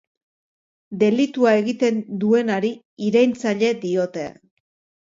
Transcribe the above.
Delitua egiten duenari iraintzaile diote.